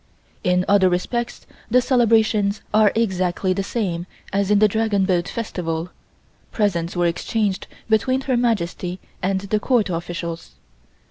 In other respects the celebrations are exactly the same as in the Dragon Boat Festival, presents were exchanged between Her Majesty and the Court officials.